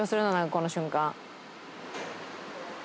この瞬間。